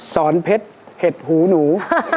สอนเพชรเห็ดหูหนู